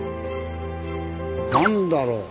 何だろう？